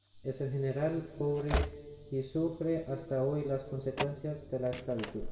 Es, en general, pobre y sufre hasta hoy las consecuencias de la esclavitud.